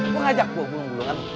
mau ngajak gua gulung gulungan